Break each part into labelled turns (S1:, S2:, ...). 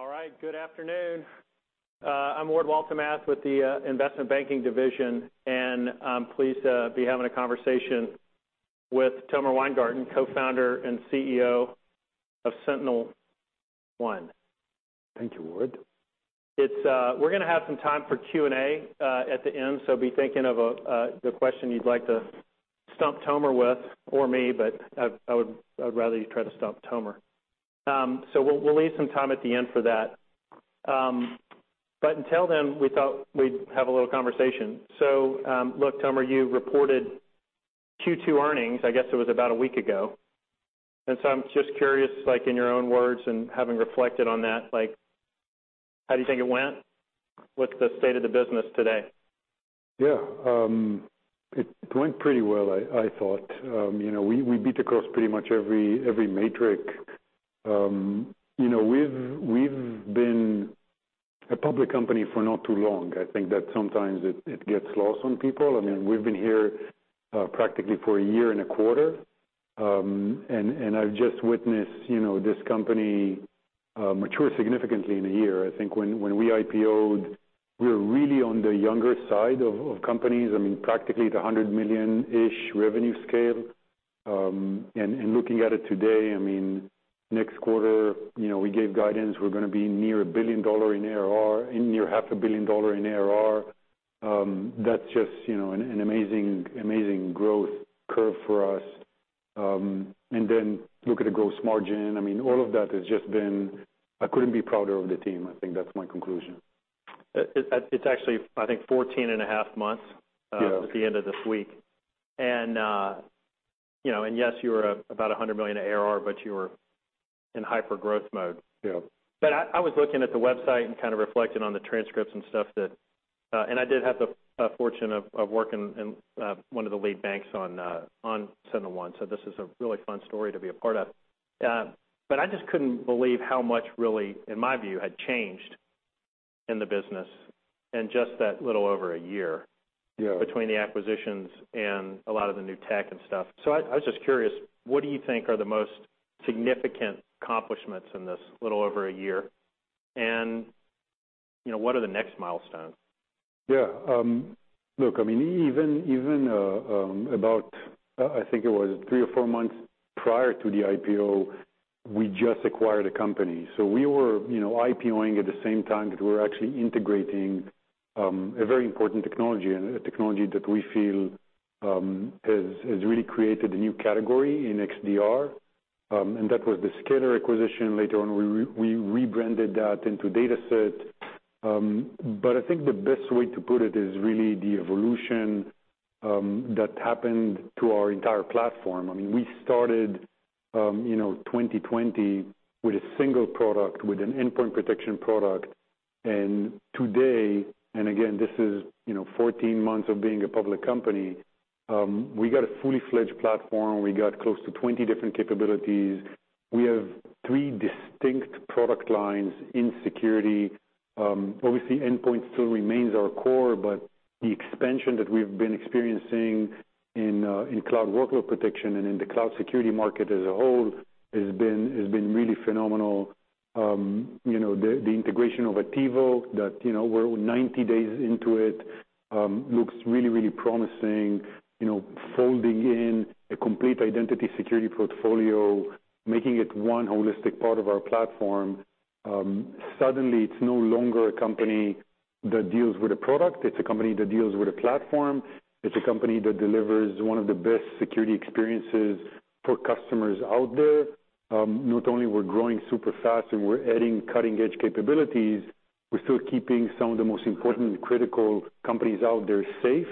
S1: All right. Good afternoon. I'm Ward Waltemath with the Investment Banking Division, and I'm pleased to be having a conversation with Tomer Weingarten, Co-Founder and CEO of SentinelOne.
S2: Thank you, Ward.
S1: We're gonna have some time for Q&A at the end, so be thinking of the question you'd like to stump Tomer with or me, but I would rather you try to stump Tomer. We'll leave some time at the end for that. But until then, we thought we'd have a little conversation. Look, Tomer, you reported Q2 earnings, I guess it was about a week ago. I'm just curious, like, in your own words and having reflected on that, like, how do you think it went? What's the state of the business today?
S2: Yeah. It went pretty well, I thought. You know, we beat across pretty much every metric. You know, we've been a public company for not too long. I think that sometimes it gets lost on people. I mean, we've been here practically for a year and a quarter. I've just witnessed, you know, this company mature significantly in a year. I think when we IPO'd, we were really on the younger side of companies. I mean, practically the 100 million-ish revenue scale. Looking at it today, I mean, next quarter, you know, we gave guidance, we're gonna be near $1 billion in ARR and near half a billion dollars in ARR. That's just, you know, an amazing growth curve for us. Look at the gross margin. I mean, all of that has just been. I couldn't be prouder of the team. I think that's my conclusion.
S1: It's actually, I think, 14.5 months.
S2: Yeah
S1: At the end of this week. You know, yes, you were about $100 million ARR, but you were in hypergrowth mode.
S2: Yeah.
S1: I was looking at the website and kind of reflecting on the transcripts and stuff that and I did have the fortune of working in one of the lead banks on SentinelOne, so this is a really fun story to be a part of. I just couldn't believe how much really, in my view, had changed in the business in just that little over a year.
S2: Yeah
S1: between the acquisitions and a lot of the new tech and stuff. I was just curious, what do you think are the most significant accomplishments in this little over a year? You know, what are the next milestones?
S2: Yeah. Look, I mean, even about, I think it was three or four months prior to the IPO, we just acquired a company. We were, you know, IPO-ing at the same time that we're actually integrating a very important technology and a technology that we feel has really created a new category in XDR, and that was the Scalyr acquisition. Later on, we rebranded that into DataSet. I think the best way to put it is really the evolution that happened to our entire platform. I mean, we started, you know, 2020 with a single product, with an endpoint protection product. Today, again, this is, you know, fourteen months of being a public company, we got a fully fledged platform. We got close to 20 different capabilities. We have three distinct product lines in security. Obviously, endpoint still remains our core, but the expansion that we've been experiencing in cloud workload protection and in the cloud security market as a whole has been really phenomenal. You know, the integration of Attivo that, you know, we're 90 days into it looks really, really promising. You know, folding in a complete identity security portfolio, making it one holistic part of our platform. Suddenly it's no longer a company that deals with a product. It's a company that deals with a platform. It's a company that delivers one of the best security experiences for customers out there. Not only we're growing super fast and we're adding cutting-edge capabilities, we're still keeping some of the most important critical companies out there safe.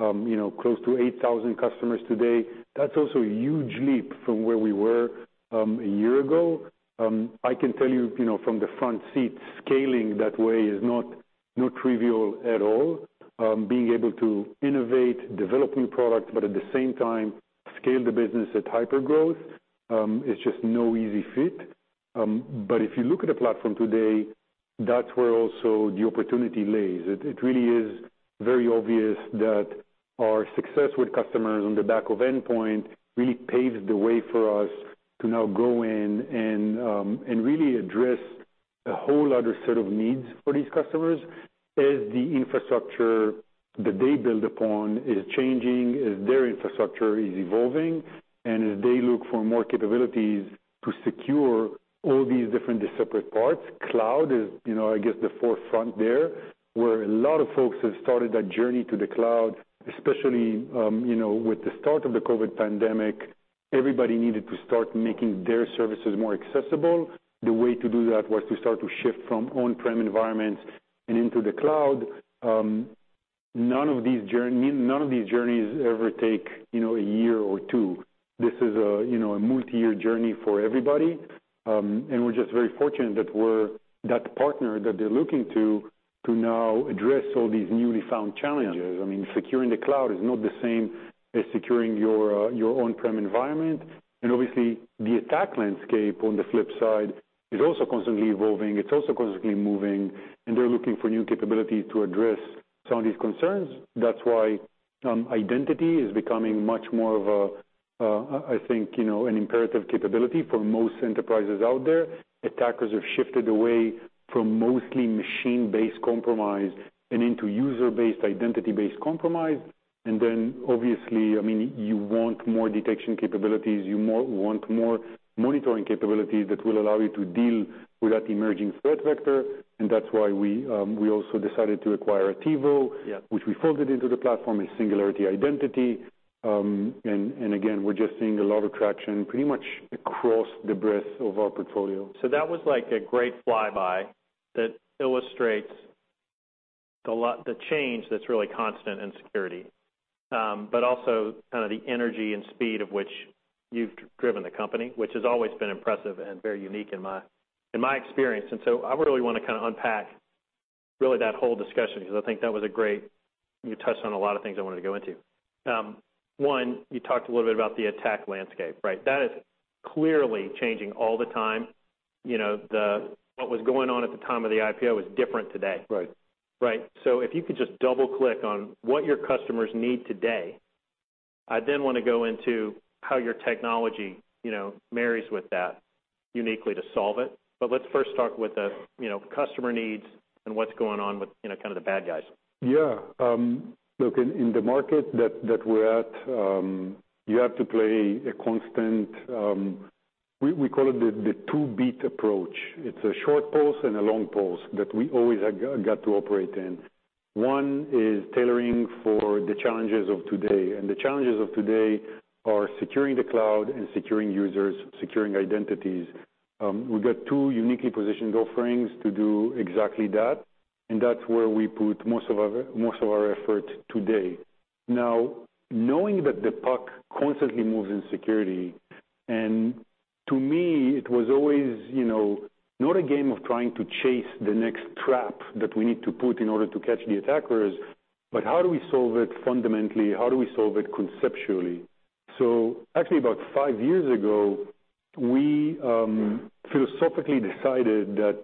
S2: You know, close to 8,000 customers today. That's also a huge leap from where we were, a year ago. I can tell you know, from the front seat, scaling that way is not trivial at all. Being able to innovate, develop new products, but at the same time scale the business at hypergrowth, is just no easy feat. But if you look at the platform today, that's where also the opportunity lies. It really is very obvious that our success with customers on the back of endpoint really paves the way for us to now go in and really address a whole other set of needs for these customers as the infrastructure that they build upon is changing, as their infrastructure is evolving, and as they look for more capabilities to secure all these different separate parts. Cloud is, you know, I guess the forefront there, where a lot of folks have started that journey to the cloud, especially, you know, with the start of the COVID pandemic, everybody needed to start making their services more accessible. The way to do that was to start to shift from on-prem environments and into the cloud. None of these journeys ever take, you know, a year or two. This is a, you know, a multi-year journey for everybody. We're just very fortunate that we're that partner that they're looking to now address all these newly found challenges. I mean, securing the cloud is not the same as securing your your on-prem environment. Obviously, the attack landscape on the flip side is also constantly evolving. It's also constantly moving, and they're looking for new capabilities to address some of these concerns. That's why identity is becoming much more of a, I think, you know, an imperative capability for most enterprises out there. Attackers have shifted away from mostly machine-based compromise and into user-based, identity-based compromise. Then obviously, I mean, you want more detection capabilities, want more monitoring capabilities that will allow you to deal with that emerging threat vector. That's why we also decided to acquire Attivo.
S1: Yes.
S2: Which we folded into the platform as Singularity Identity. Again, we're just seeing a lot of traction pretty much across the breadth of our portfolio.
S1: That was like a great flyby that illustrates the change that's really constant in security, but also kind of the energy and speed of which you've driven the company, which has always been impressive and very unique in my experience. I really wanna kind of unpack really that whole discussion because I think that was a great. You touched on a lot of things I wanted to go into. One, you talked a little bit about the attack landscape, right? That is clearly changing all the time. You know, what was going on at the time of the IPO is different today.
S2: Right.
S1: Right. If you could just double-click on what your customers need today, I then wanna go into how your technology, you know, marries with that uniquely to solve it. Let's first start with the, you know, customer needs and what's going on with, you know, kind of the bad guys.
S2: Yeah. Look, in the market that we're at, you have to play a constant. We call it the two beat approach. It's a short pulse and a long pulse that we always got to operate in. One is tailoring for the challenges of today, and the challenges of today are securing the cloud and securing users, securing identities. We've got two uniquely positioned offerings to do exactly that, and that's where we put most of our effort today. Now, knowing that the puck constantly moves in security, and to me, it was always, you know, not a game of trying to chase the next trap that we need to put in order to catch the attackers. How do we solve it fundamentally? How do we solve it conceptually? Actually, about five years ago, we philosophically decided that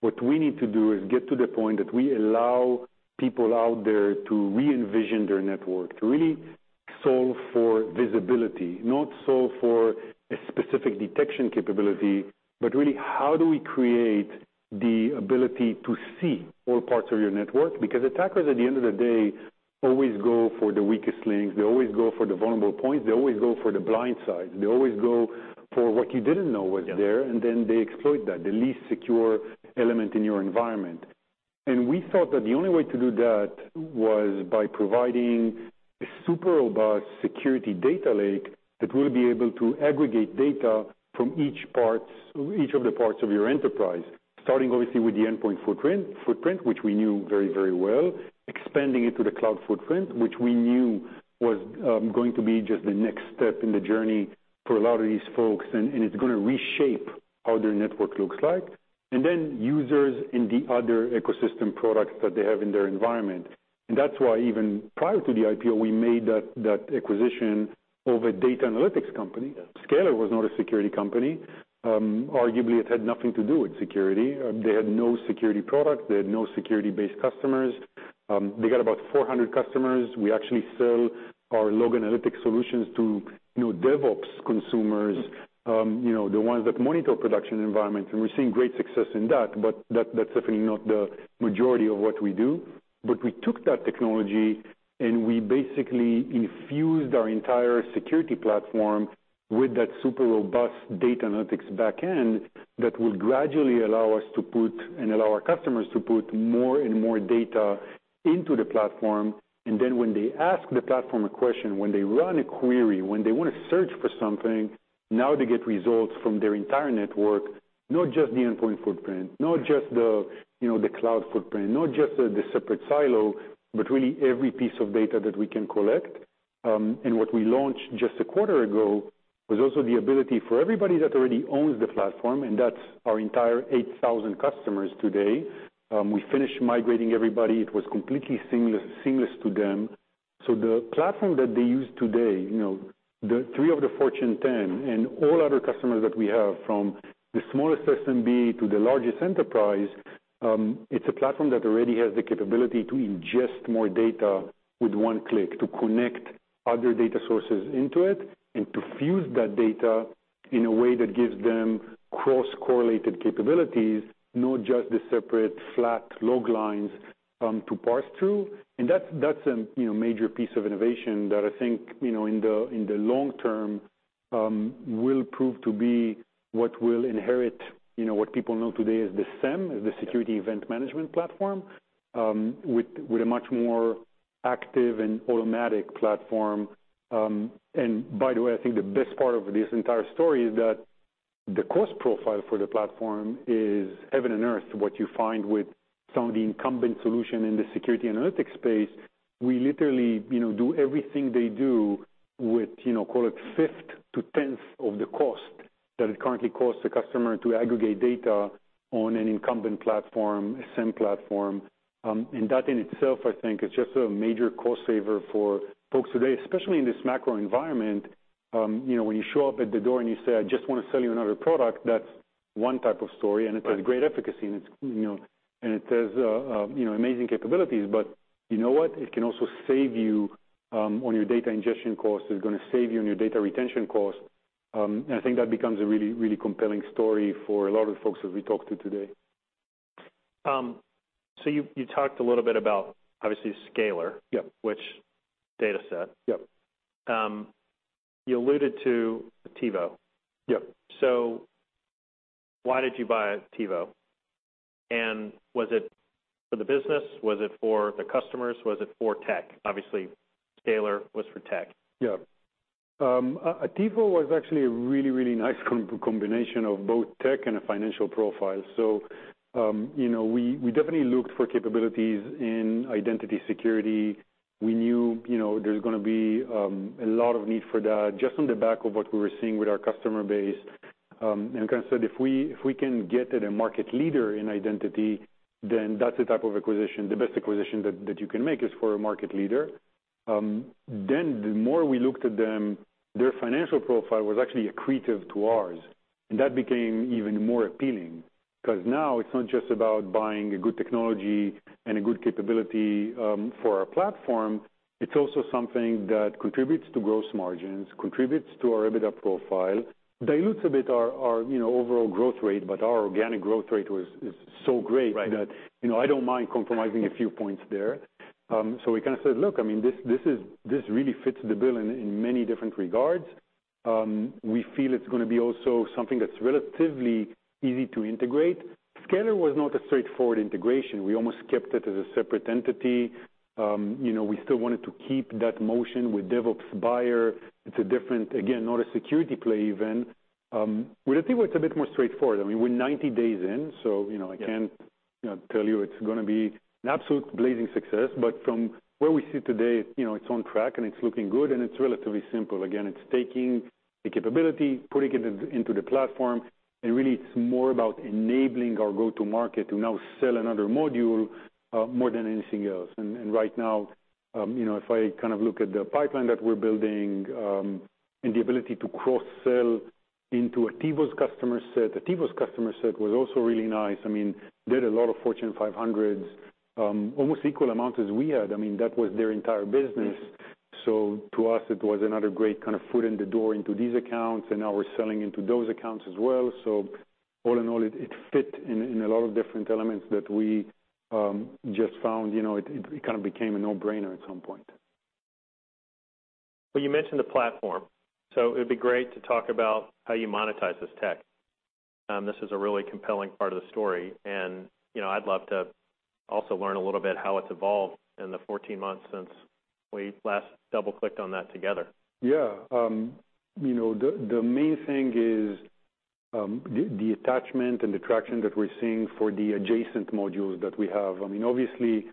S2: what we need to do is get to the point that we allow people out there to re-envision their network, to really solve for visibility, not solve for a specific detection capability, but really how do we create the ability to see all parts of your network? Because attackers, at the end of the day, always go for the weakest links. They always go for the vulnerable points. They always go for the blind side. They always go for what you didn't know was there, and then they exploit that, the least secure element in your environment. We thought that the only way to do that was by providing a super robust security data lake that will be able to aggregate data from each of the parts of your enterprise. Starting obviously with the endpoint footprint, which we knew very, very well. Expanding it to the cloud footprint, which we knew was going to be just the next step in the journey for a lot of these folks, and it's gonna reshape how their network looks like. Users in the other ecosystem products that they have in their environment. That's why even prior to the IPO, we made that acquisition of a data analytics company.
S1: Yeah.
S2: Scalyr was not a security company. Arguably, it had nothing to do with security. They had no security product. They had no security-based customers. They got about 400 customers. We actually sell our log analytic solutions to, you know, DevOps consumers, you know, the ones that monitor production environments, and we're seeing great success in that. That's definitely not the majority of what we do. We took that technology, and we basically infused our entire security platform with that super robust data analytics back end that will gradually allow us to put, and allow our customers to put more and more data into the platform. When they ask the platform a question, when they run a query, when they wanna search for something, now they get results from their entire network, not just the endpoint footprint, not just the, you know, the cloud footprint, not just the separate silo, but really every piece of data that we can collect. What we launched just a quarter ago was also the ability for everybody that already owns the platform, and that's our entire 8,000 customers today. We finished migrating everybody. It was completely seamless to them. The platform that they use today, you know, the three of the Fortune 10 and all other customers that we have from the smallest SMB to the largest enterprise, it's a platform that already has the capability to ingest more data with one click, to connect other data sources into it and to fuse that data in a way that gives them cross-correlated capabilities, not just the separate flat log lines, to parse through. That's a, you know, major piece of innovation that I think, you know, in the long term, will prove to be what will inherit, you know, what people know today as the SIEM, as the Security Information and Event Management platform, with a much more active and automatic platform. By the way, I think the best part of this entire story is that the cost profile for the platform is heaven and earth to what you find with some of the incumbent solutions in the security analytics space. We literally, you know, do everything they do with, you know, call it fifth to tenth of the cost that it currently costs the customer to aggregate data on an incumbent platform, a SIEM platform. And that in itself, I think is just a major cost saver for folks today, especially in this macro environment. You know, when you show up at the door and you say, "I just wanna sell you another product," that's one type of story.
S1: Right.
S2: It has great efficacy and it's, you know, amazing capabilities. You know what? It can also save you on your data ingestion costs. It's gonna save you on your data retention costs. I think that becomes a really, really compelling story for a lot of the folks that we talk to today.
S1: You talked a little bit about obviously Scalyr-
S2: Yep.
S1: Which DataSet.
S2: Yep.
S1: You alluded to Attivo.
S2: Yep.
S1: Why did you buy Attivo? Was it for the business? Was it for the customers? Was it for tech? Obviously, Scalyr was for tech.
S2: Yeah. Attivo was actually a really nice combination of both tech and a financial profile. You know, we definitely looked for capabilities in identity security. We knew, you know, there's gonna be a lot of need for that just on the back of what we were seeing with our customer base. We kind of said, if we can get a market leader in identity, then that's the type of acquisition, the best acquisition that you can make is for a market leader. The more we looked at them, their financial profile was actually accretive to ours, and that became even more appealing. 'Cause now it's not just about buying a good technology and a good capability for our platform, it's also something that contributes to gross margins, contributes to our EBITDA profile, dilutes a bit our you know overall growth rate, but our organic growth rate is so great.
S1: Right...
S2: that, you know, I don't mind compromising a few points there. We kind of said, "Look, I mean, this really fits the bill in many different regards. We feel it's gonna be also something that's relatively easy to integrate." Scalyr was not a straightforward integration. We almost kept it as a separate entity. You know, we still wanted to keep that motion with DevOps buyer. It's a different, again, not a security play even. With Attivo it's a bit more straightforward. I mean, we're 90 days in, so you know, I can't, you know, tell you it's gonna be an absolute blazing success, but from where we sit today, you know, it's on track and it's looking good, and it's relatively simple. Again, it's taking the capability, putting it into the platform, and really it's more about enabling our go-to-market to now sell another module, more than anything else. Right now, you know, if I kind of look at the pipeline that we're building, and the ability to cross-sell into Attivo's customer set, Attivo's customer set was also really nice. I mean, they had a lot of Fortune 500s, almost equal amount as we had. I mean, that was their entire business. To us it was another great kind of foot in the door into these accounts, and now we're selling into those accounts as well. All in all, it fit in a lot of different elements that we just found, you know, it kind of became a no-brainer at some point.
S1: Well, you mentioned the platform, so it would be great to talk about how you monetize this tech. This is a really compelling part of the story and, you know, I'd love to also learn a little bit how it's evolved in the 14 months since we last double-clicked on that together.
S2: Yeah. You know, the main thing is the attachment and the traction that we're seeing for the adjacent modules that we have. I mean, obviously,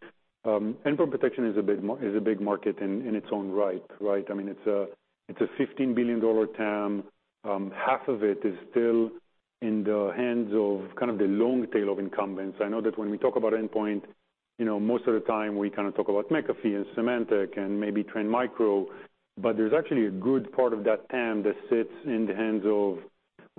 S2: endpoint protection is a big market in its own right? I mean, it's a $15 billion TAM. Half of it is still in the hands of kind of the long tail of incumbents. I know that when we talk about endpoint, you know, most of the time we kind of talk about McAfee and Symantec and maybe Trend Micro, but there's actually a good part of that TAM that sits in the hands of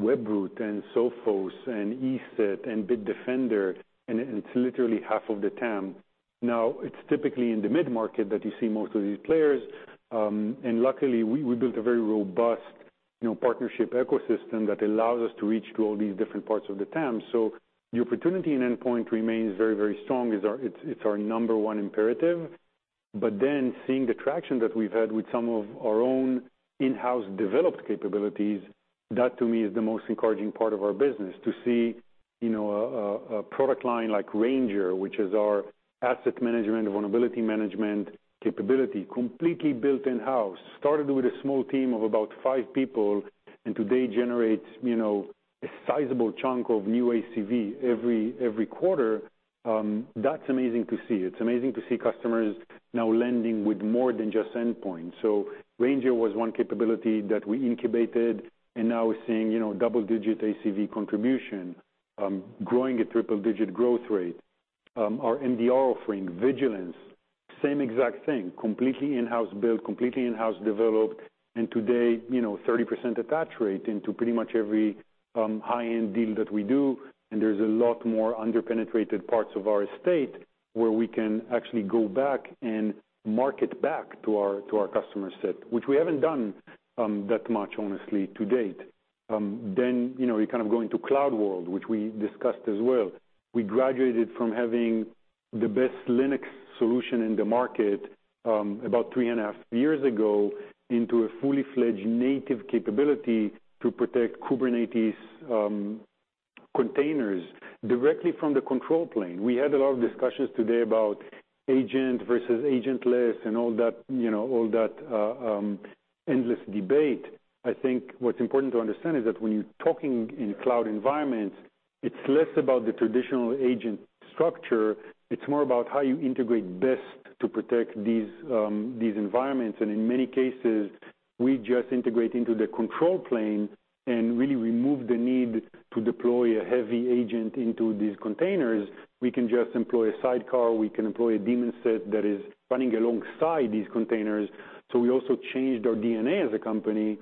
S2: Webroot and Sophos and ESET and Bitdefender, and it's literally half of the TAM. Now, it's typically in the mid-market that you see most of these players. Luckily we built a very robust, you know, partnership ecosystem that allows us to reach to all these different parts of the TAM. The opportunity in endpoint remains very, very strong. It's our number one imperative. Then seeing the traction that we've had with some of our own in-house developed capabilities, that to me is the most encouraging part of our business, to see, you know, a product line like Ranger, which is our asset management, vulnerability management capability, completely built in-house, started with a small team of about five people, and today generates, you know, a sizable chunk of new ACV every quarter. That's amazing to see. It's amazing to see customers now landing with more than just endpoint. Ranger was one capability that we incubated and now we're seeing, you know, double-digit ACV contribution, growing at triple-digit growth rate. Our MDR offering, Vigilance, same exact thing, completely in-house built, completely in-house developed, and today, you know, 30% attach rate into pretty much every high-end deal that we do. There's a lot more under-penetrated parts of our estate where we can actually go back and market back to our customer set, which we haven't done that much honestly to date. You know, you kind of go into cloud world, which we discussed as well. We graduated from having the best Linux solution in the market about 3.5 years ago into a fully fledged native capability to protect Kubernetes containers directly from the control plane. We had a lot of discussions today about agent versus agentless and all that, you know, endless debate. I think what's important to understand is that when you're talking in cloud environments, it's less about the traditional agent structure, it's more about how you integrate best to protect these environments. In many cases, we just integrate into the control plane and really remove the need to deploy a heavy agent into these containers. We can just employ a sidecar, we can employ a daemon set that is running alongside these containers. We also changed our DNA as a company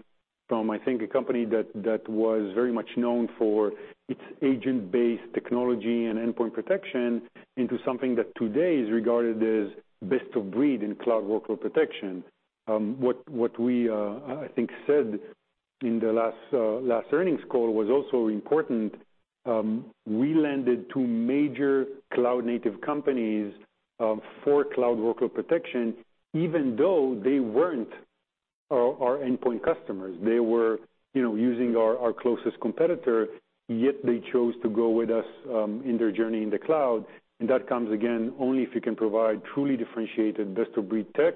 S2: from, I think, a company that was very much known for its agent-based technology and endpoint protection into something that today is regarded as best of breed in cloud workload protection. What we, I think, said in the last earnings call was also important. We landed two major cloud-native companies for cloud workload protection, even though they weren't our endpoint customers. They were, you know, using our closest competitor, yet they chose to go with us in their journey in the cloud. That comes, again, only if you can provide truly differentiated best-of-breed tech.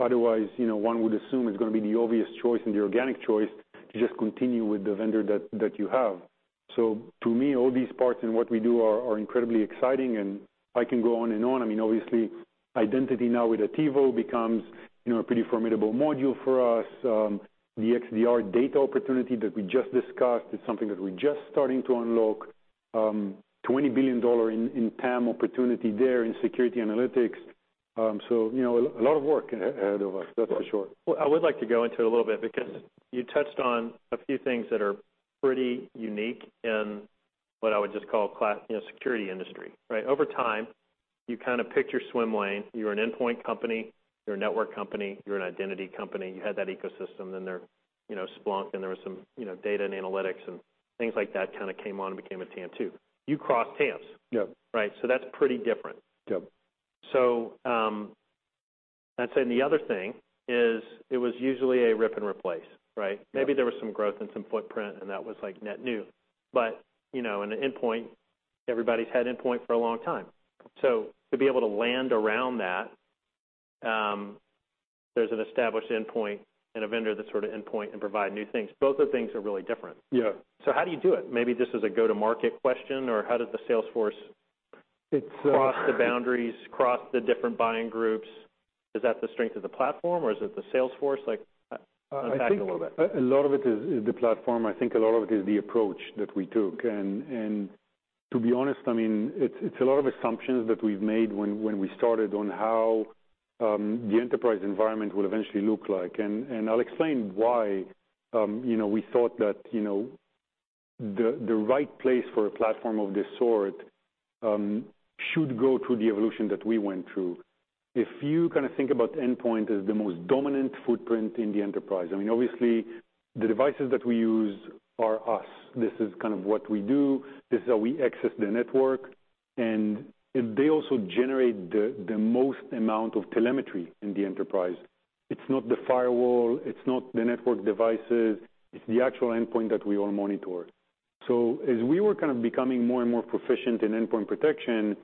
S2: Otherwise, you know, one would assume it's gonna be the obvious choice and the organic choice to just continue with the vendor that you have. To me, all these parts in what we do are incredibly exciting, and I can go on and on. I mean, obviously, identity now with Attivo becomes, you know, a pretty formidable module for us. The XDR data opportunity that we just discussed is something that we're just starting to unlock. $20 billion in TAM opportunity there in security analytics. You know, a lot of work ahead of us, that's for sure.
S1: Well, I would like to go into it a little bit because you touched on a few things that are pretty unique in what I would just call classic security industry, right? Over time, you kind of picked your swim lane. You're an endpoint company, you're a network company, you're an identity company. You had that ecosystem, and there, you know, Splunk, and there was some, you know, data and analytics and things like that kind of came on and became a TAM too. You crossed TAMs.
S2: Yeah.
S1: Right? That's pretty different.
S2: Yeah.
S1: Let's say then the other thing is it was usually a rip and replace, right?
S2: Yeah.
S1: Maybe there was some growth and some footprint, and that was like net new. You know, in the endpoint, everybody's had endpoint for a long time. To be able to land around that, there's an established endpoint and a vendor that's sort of endpoint and provide new things. Both the things are really different.
S2: Yeah.
S1: How do you do it? Maybe this is a go-to-market question, or how does the sales force-
S2: It's
S1: Cross the boundaries, cross the different buying groups? Is that the strength of the platform, or is it the sales force? Like, unpack a little bit.
S2: I think a lot of it is the platform. I think a lot of it is the approach that we took. To be honest, I mean, it's a lot of assumptions that we've made when we started on how the enterprise environment will eventually look like. I'll explain why, you know, we thought that, you know, the right place for a platform of this sort should go through the evolution that we went through. If you kinda think about endpoint as the most dominant footprint in the enterprise, I mean, obviously the devices that we use are us. This is kind of what we do. This is how we access the network. They also generate the most amount of telemetry in the enterprise. It's not the firewall, it's not the network devices, it's the actual endpoint that we all monitor. As we were kind of becoming more and more proficient in endpoint protection,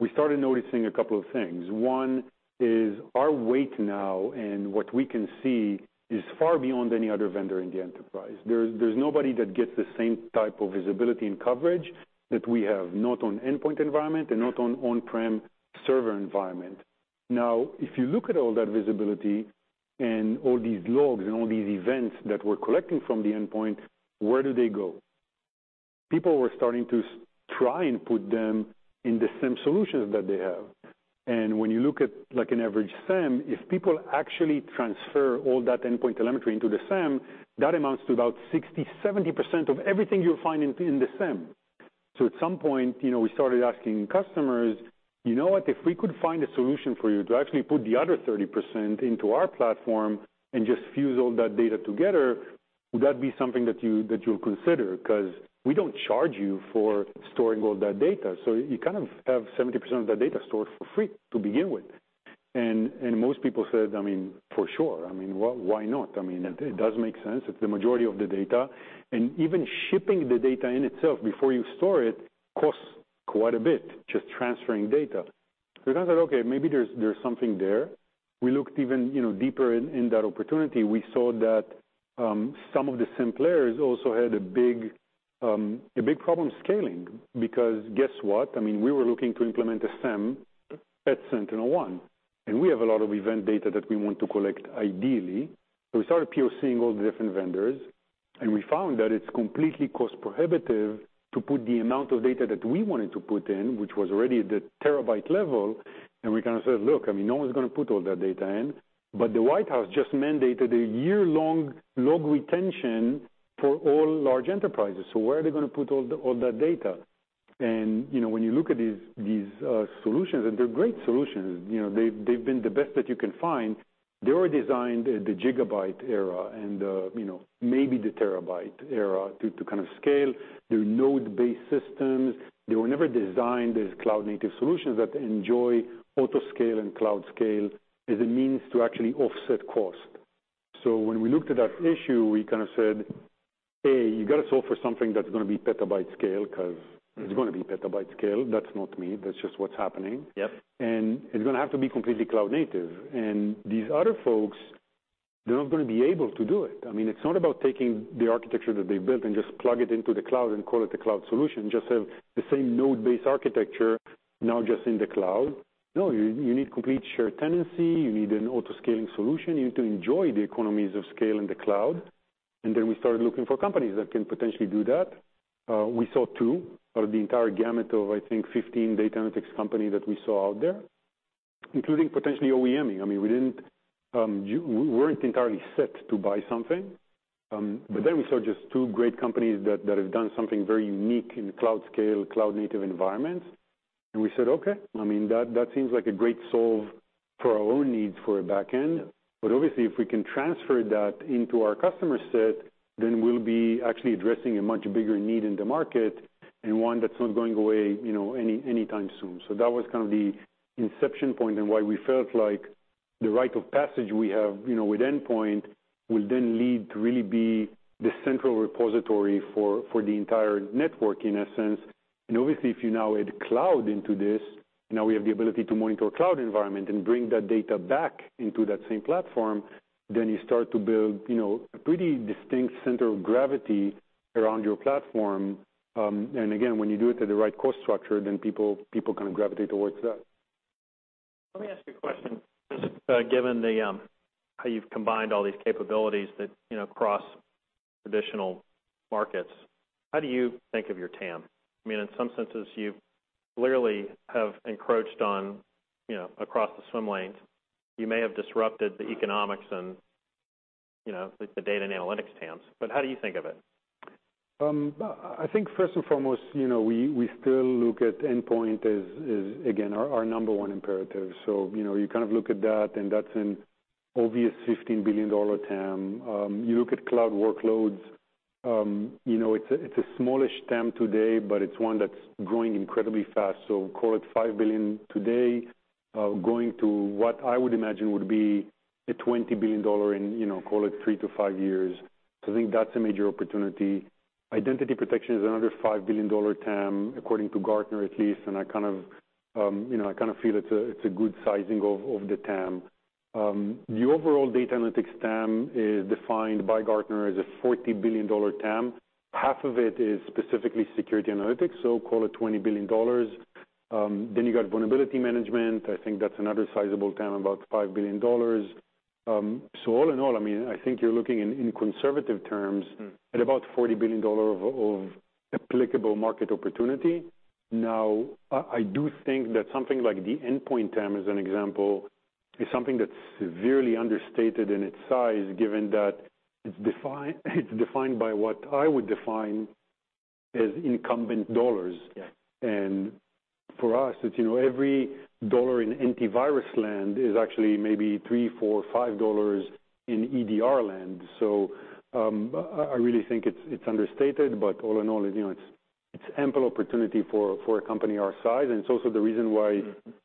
S2: we started noticing a couple of things. One is our way now and what we can see is far beyond any other vendor in the enterprise. There's nobody that gets the same type of visibility and coverage that we have, not on endpoint environment and not on on-prem server environment. Now, if you look at all that visibility and all these logs and all these events that we're collecting from the endpoint, where do they go? People were starting to try and put them in the same solutions that they have. When you look at like an average SIEM, if people actually transfer all that endpoint telemetry into the SIEM, that amounts to about 60 to 70% of everything you'll find in the SIEM. At some point, you know, we started asking customers, "You know what, if we could find a solution for you to actually put the other 30% into our platform and just fuse all that data together, would that be something that you, that you'll consider? 'Cause we don't charge you for storing all that data, so you kind of have 70% of that data stored for free to begin with." Most people said, I mean, for sure. I mean, why not? I mean, it does make sense. It's the majority of the data. Even shipping the data in itself before you store it costs quite a bit, just transferring data. We kind of said, "Okay, maybe there's something there." We looked even deeper in that opportunity. We saw that some of the SIEM players also had a big problem scaling because guess what? I mean, we were looking to implement a SIEM at SentinelOne, and we have a lot of event data that we want to collect ideally. We started POC-ing all the different vendors, and we found that it's completely cost prohibitive to put the amount of data that we wanted to put in, which was already at the terabyte level. We kind of said, "Look, I mean, no one's gonna put all that data in." The White House just mandated a year-long log retention for all large enterprises. Where are they gonna put all that data? You know, when you look at these solutions, and they're great solutions, you know, they've been the best that you can find. They were designed at the gigabyte era and, you know, maybe the terabyte era to kind of scale. They're node-based systems. They were never designed as cloud-native solutions that enjoy autoscale and cloud scale as a means to actually offset cost. When we looked at that issue, we kind of said, A, you got to solve for something that's going to be petabyte scale because it's going to be petabyte scale. That's not me. That's just what's happening.
S1: Yep.
S2: It's going to have to be completely cloud-native. These other folks, they're not going to be able to do it. I mean, it's not about taking the architecture that they built and just plug it into the cloud and call it the cloud solution, just have the same node-based architecture now just in the cloud. No, you need complete shared tenancy. You need an auto-scaling solution. You need to enjoy the economies of scale in the cloud. Then we started looking for companies that can potentially do that. We saw two out of the entire gamut of, I think, 15 data analytics company that we saw out there, including potentially OEM-ing. I mean, we didn't, we weren't entirely set to buy something. We saw just two great companies that have done something very unique in cloud scale, cloud-native environments. We said, okay, I mean, that seems like a great solve for our own needs for a back end. Obviously, if we can transfer that into our customer set, then we'll be actually addressing a much bigger need in the market and one that's not going away, you know, anytime soon. That was kind of the inception point and why we felt like the rite of passage we have, you know, with endpoint will then lead to really be the central repository for the entire network, in a sense. Obviously, if you now add cloud into this, now we have the ability to monitor a cloud environment and bring that data back into that same platform, then you start to build, you know, a pretty distinct center of gravity around your platform. Again, when you do it at the right cost structure, then people kind of gravitate toward that.
S1: Let me ask you a question. Just, given the, how you've combined all these capabilities that, you know, across traditional markets, how do you think of your TAM? I mean, in some senses, you clearly have encroached on, you know, across the swim lanes. You may have disrupted the economics and, you know, the data and analytics TAMs, but how do you think of it?
S2: I think first and foremost, you know, we still look at endpoint as again, our number one imperative. You know, you kind of look at that, and that's an obvious $15 billion TAM. You look at cloud workloads, you know, it's a smallish TAM today, but it's one that's growing incredibly fast. Call it $5 billion today, going to what I would imagine would be a $20 billion dollar in, you know, call it 3 to 5 years. I think that's a major opportunity. Identity protection is another $5 billion TAM, according to Gartner, at least. I kind of, you know, I kind of feel it's a good sizing of the TAM. The overall data analytics TAM is defined by Gartner as a $40 billion TAM. Half of it is specifically security analytics, so call it $20 billion. Then you got vulnerability management. I think that's another sizable TAM, about $5 billion. All in all, I mean, I think you're looking in conservative terms at about $40 billion of applicable market opportunity. Now, I do think that something like the endpoint TAM, as an example, is something that's severely understated in its size, given that it's defined by what I would define as incumbent dollars.
S1: Yeah.
S2: For us, it's every dollar in antivirus land is actually maybe 3, 4, 5 dollars in EDR land. I really think it's understated, but all in all, it's ample opportunity for a company our size. It's also the reason why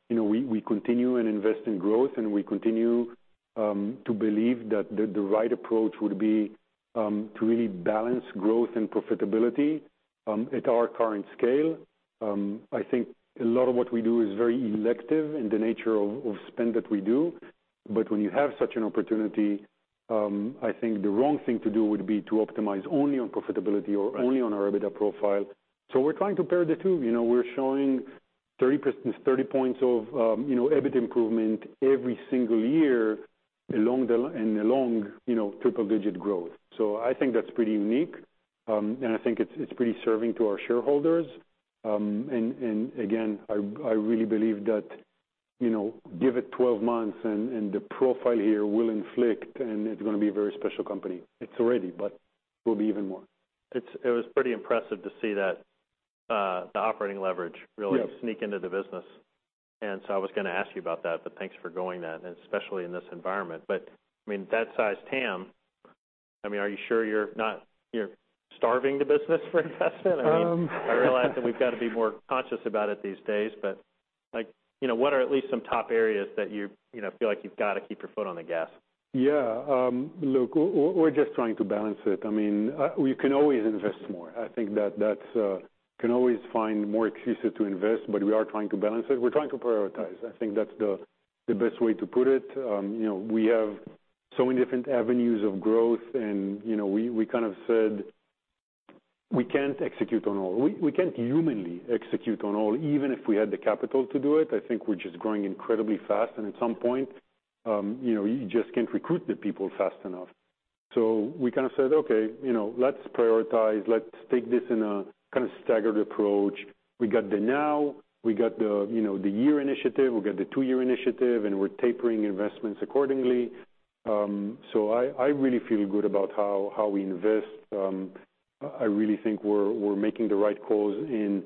S2: we continue and invest in growth, and we continue to believe that the right approach would be to really balance growth and profitability at our current scale. I think a lot of what we do is very elective in the nature of spend that we do. But when you have such an opportunity, I think the wrong thing to do would be to optimize only on profitability or only on our EBITDA profile. We're trying to pair the two. You know, we're showing 30 points of, you know, EBIT improvement every single year along with, you know, triple-digit growth. I think that's pretty unique. I think it's pretty rewarding to our shareholders. Again, I really believe that, you know, give it 12 months and the profile here will reflect, and it's gonna be a very special company. It's already, but will be even more.
S1: It was pretty impressive to see that, the operating leverage really-
S2: Yeah.
S1: Sneak into the business. I was gonna ask you about that, but thanks for going that, and especially in this environment. I mean, that size TAM, I mean, are you sure you're not, you're starving the business for investment? I mean, I realize that we've got to be more conscious about it these days, but like, you know, what are at least some top areas that you know, feel like you've got to keep your foot on the gas?
S2: Yeah. Look, we're just trying to balance it. I mean, we can always invest more. I think we can always find more excuses to invest, but we are trying to balance it. We're trying to prioritize. I think that's the best way to put it. You know, we have so many different avenues of growth and, you know, we kind of said we can't execute on all. We can't humanly execute on all, even if we had the capital to do it. I think we're just growing incredibly fast. At some point, you know, you just can't recruit the people fast enough. We kind of said, okay, you know, let's prioritize. Let's take this in a kind of staggered approach. We've got the one-year initiative, we've got the two-year initiative, and we're tapering investments accordingly. I really feel good about how we invest. I really think we're making the right calls in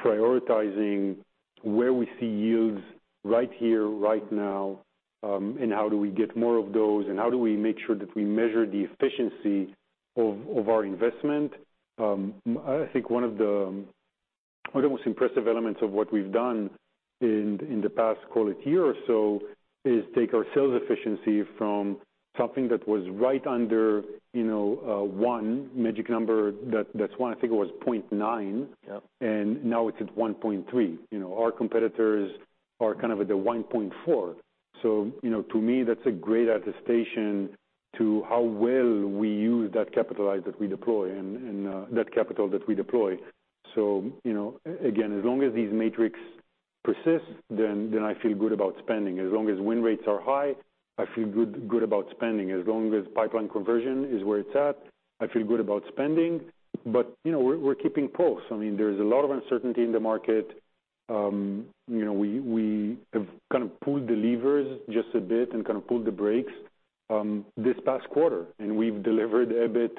S2: prioritizing where we see yields right here, right now, and how do we get more of those, and how do we make sure that we measure the efficiency of our investment. I think one of the most impressive elements of what we've done in the past, call it a year or so, is take our sales efficiency from something that was right under, you know, one magic number. That's one, I think it was 0.9.
S1: Yep.
S2: Now it's at 1.3. You know, our competitors are kind of at the 1.4. You know, to me, that's a great testament to how well we use that capital that we deploy. You know, again, as long as these metrics persist, then I feel good about spending. As long as win rates are high, I feel good about spending. As long as pipeline conversion is where it's at, I feel good about spending. You know, we're keeping costs. I mean, there's a lot of uncertainty in the market. You know, we have kind of pulled the levers just a bit and kind of pulled the brakes this past quarter, and we've delivered a bit,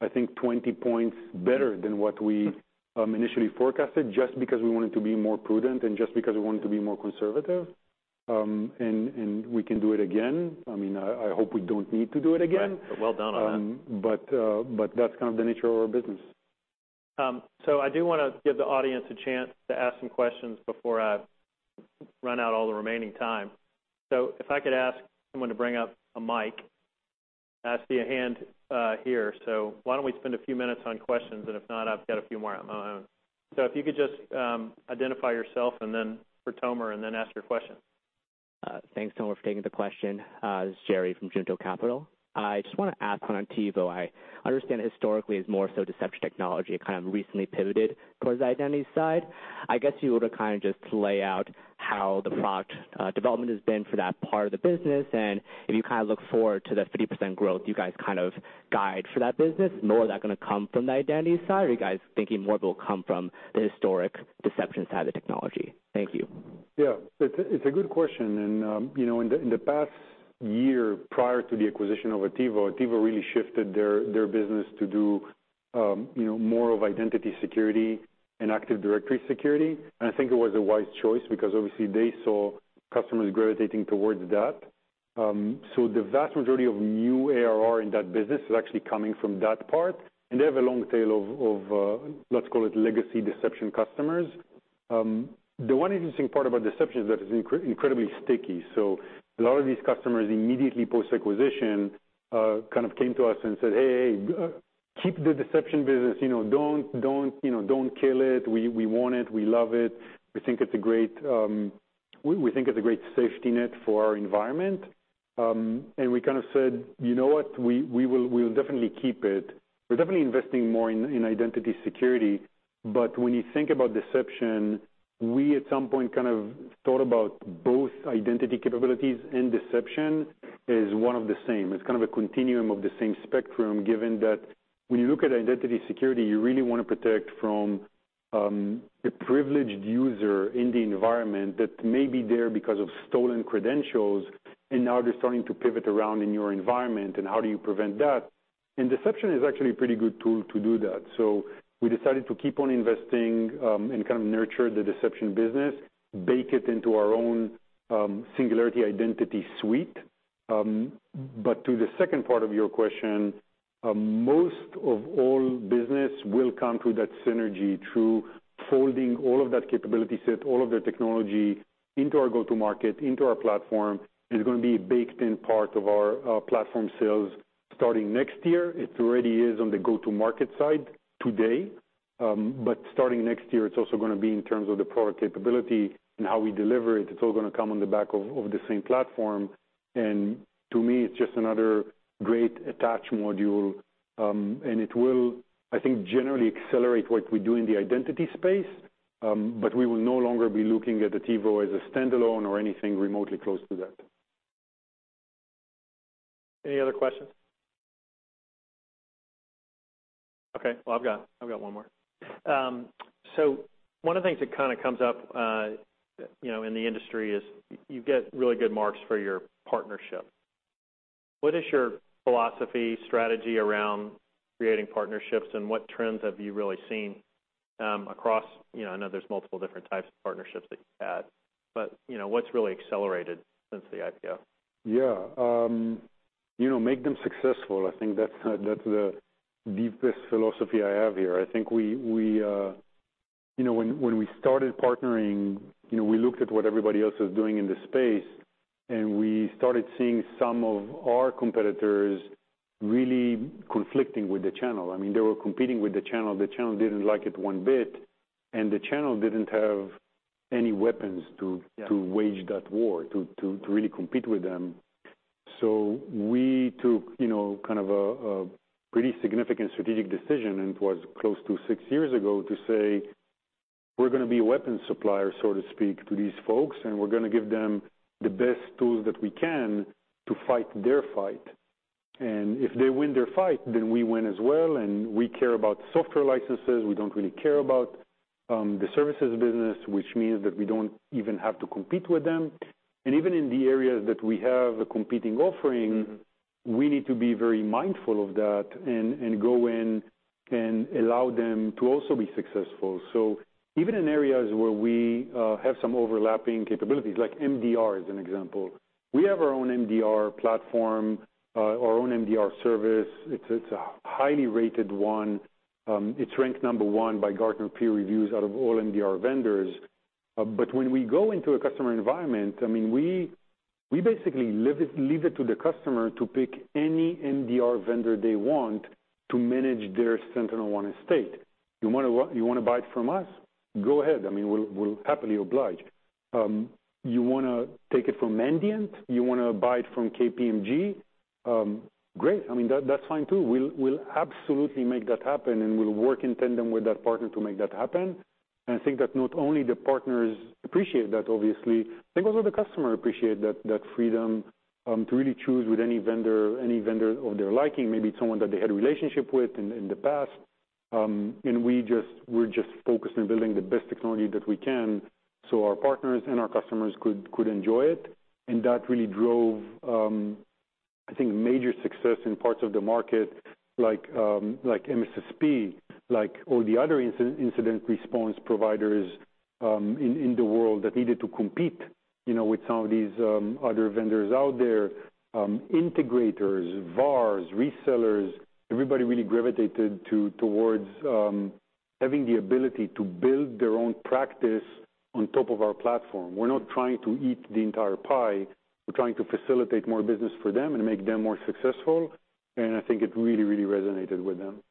S2: I think 20 points better than what we initially forecasted, just because we wanted to be more prudent and just because we wanted to be more conservative. We can do it again. I mean, I hope we don't need to do it again.
S1: Well done on that.
S2: That's kind of the nature of our business.
S1: I do wanna give the audience a chance to ask some questions before I run out all the remaining time. If I could ask someone to bring up a mic. I see a hand here. Why don't we spend a few minutes on questions, and if not, I've got a few more on my own. If you could just identify yourself and then for Tomer and then ask your question. Thanks, Tomer, for taking the question. This is Jerry from Junto Capital. I just wanna ask one on Attivo. I understand historically it's more so deception technology, it kind of recently pivoted towards the identity side. I guess you were to kinda just lay out how the product development has been for that part of the business and if you kinda look forward to the 50% growth you guys kind of guide for that business. More of that gonna come from the identity side, or are you guys thinking more of it'll come from the historic deception side of the technology? Thank you.
S2: Yeah. It's a good question. You know, in the past year prior to the acquisition of Attivo really shifted their business to do, you know, more of identity security and Active Directory security. I think it was a wise choice because obviously they saw customers gravitating towards that. The vast majority of new ARR in that business is actually coming from that part. They have a long tail of, let's call it legacy deception customers. The one interesting part about deception is that it's incredibly sticky. A lot of these customers immediately post-acquisition kind of came to us and said, "Hey, keep the deception business, you know, don't kill it. We want it, we love it. We think it's a great safety net for our environment. We kind of said, "You know what? We'll definitely keep it." We're definitely investing more in identity security. When you think about deception, we at some point kind of thought about both identity capabilities and deception is one of the same. It's kind of a continuum of the same spectrum, given that when you look at identity security, you really wanna protect from a privileged user in the environment that may be there because of stolen credentials, and now they're starting to pivot around in your environment, and how do you prevent that? Deception is actually a pretty good tool to do that. We decided to keep on investing, and kind of nurture the deception business, bake it into our own, Singularity Identity suite. To the second part of your question, most of all business will come through that synergy, through folding all of that capability set, all of their technology into our go-to-market, into our platform. It is gonna be a baked-in part of our platform sales starting next year. It already is on the go-to-market side today. Starting next year, it's also gonna be in terms of the product capability and how we deliver it. It's all gonna come on the back of the same platform. To me, it's just another great attach module. It will, I think, generally accelerate what we do in the identity space. We will no longer be looking at the Attivo as a standalone or anything remotely close to that. Any other questions?
S1: Okay. Well, I've got one more. So one of the things that kinda comes up, you know, in the industry is you get really good marks for your partnership. What is your philosophy, strategy around creating partnerships and what trends have you really seen? You know, I know there's multiple different types of partnerships that you've had, but, you know, what's really accelerated since the IPO?
S2: Yeah. You know, make them successful. I think that's the deepest philosophy I have here. I think we, you know, when we started partnering, you know, we looked at what everybody else was doing in this space, and we started seeing some of our competitors really conflicting with the channel. I mean, they were competing with the channel. The channel didn't like it one bit, and the channel didn't have any weapons to
S1: Yeah.
S2: to wage that war, to really compete with them. We took, you know, kind of a pretty significant strategic decision, and it was close to six years ago, to say, "We're gonna be a weapon supplier, so to speak, to these folks, and we're gonna give them the best tools that we can to fight their fight. And if they win their fight, then we win as well. And we care about software licenses. We don't really care about the services business, which means that we don't even have to compete with them." And even in the areas that we have a competing offering, we need to be very mindful of that and go in and allow them to also be successful. Even in areas where we have some overlapping capabilities, like MDR as an example. We have our own MDR platform, our own MDR service. It's a highly rated one. It's ranked number one by Gartner Peer Insights out of all MDR vendors. When we go into a customer environment, I mean, we basically leave it to the customer to pick any MDR vendor they want to manage their SentinelOne estate. You wanna buy it from us? Go ahead. I mean, we'll happily oblige. You wanna take it from Mandiant? You wanna buy it from KPMG? Great. I mean, that's fine too. We'll absolutely make that happen, and we'll work in tandem with that partner to make that happen. I think that not only the partners appreciate that obviously, I think also the customer appreciate that freedom to really choose with any vendor of their liking. Maybe it's someone that they had a relationship with in the past. We're just focused on building the best technology that we can so our partners and our customers could enjoy it. That really drove, I think, a major success in parts of the market like MSSP, like all the other incident response providers in the world that needed to compete, you know, with some of these other vendors out there. Integrators, VARs, resellers, everybody really gravitated towards having the ability to build their own practice on top of our platform. We're not trying to eat the entire pie. We're trying to facilitate more business for them and make them more successful. I think it really, really resonated with them.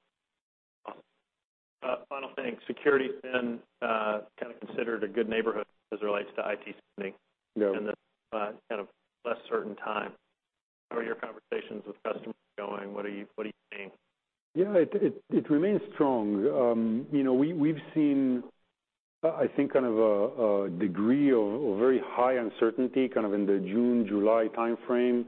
S1: Final thing. Security's been kinda considered a good neighborhood as it relates to IT spending.
S2: Yeah.
S1: In this kind of less certain time. How are your conversations with customers going? What are you seeing?
S2: It remains strong. You know, we've seen I think kind of a degree of very high uncertainty kind of in the June, July timeframe.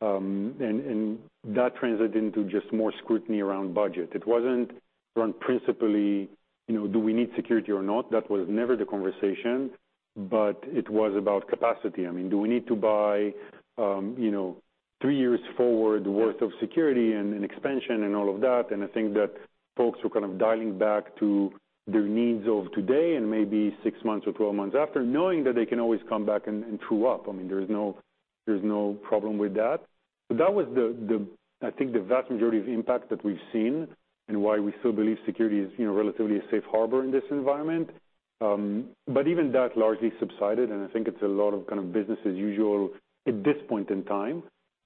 S2: That translated into just more scrutiny around budget. It wasn't around principally, you know, do we need security or not? That was never the conversation, but it was about capacity. I mean, do we need to buy you know three years forward worth of security and expansion and all of that? I think that folks were kind of dialing back to their needs of today and maybe six months or 12 months after, knowing that they can always come back and true up. I mean, there's no problem with that. That was I think the vast majority of impact that we've seen and why we still believe security is, you know, relatively a safe harbor in this environment. Even that largely subsided, and I think it's a lot of kind of business as usual at this point in time.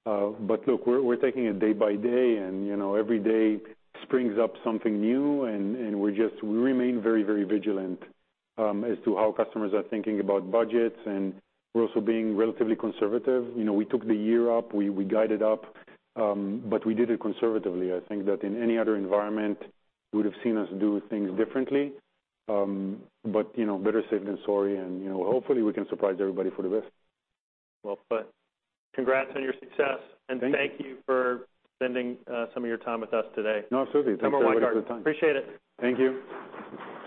S2: Look, we're taking it day by day and, you know, every day springs up something new and we remain very, very vigilant as to how customers are thinking about budgets. We're also being relatively conservative. You know, we took the year up, we guided up, but we did it conservatively. I think that in any other environment, you would've seen us do things differently. You know, better safe than sorry and, you know, hopefully we can surprise everybody for the best.
S1: Well put. Congrats on your success.
S2: Thank you.
S1: Thank you for spending some of your time with us today.
S2: No, absolutely. Thanks for having me.
S1: Number one card. Appreciate it.
S2: Thank you.
S3: Thank you, Lloyd. Yeah. All right.